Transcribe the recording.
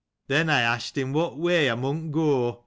Then, I asked him what way I might go